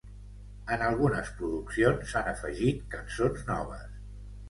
En algunes produccions s'han afegit cançons noves.